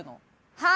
はい。